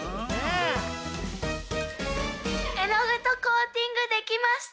えのぐとコーティングできました！